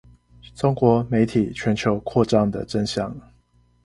中國媒體全球擴張的真相